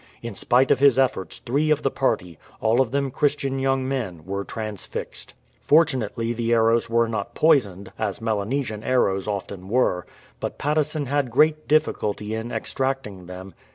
In spite of his efforts three of the party, all of them Chris tian young men, were transfixed. Fortunately the arrows were not poisoned, as Melancsian arrows often were, but Patteson had great difficulty in extracting them.